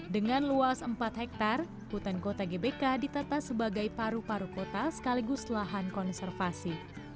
dengan luas empat hektare hutan kota gbk ditata sebagai paru paru kota sekaligus lahan konservasi